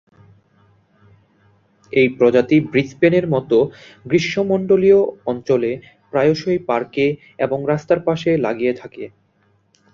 এই প্রজাতি ব্রিসবেন-এর মতো গ্রীষ্মমন্ডলীয় অঞ্চলে প্রায়শই পার্কে এবং রাস্তার পাশে লাগিয়ে থাকে।